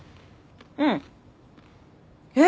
うん。えっ？